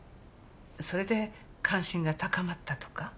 それで関心が高まったとか？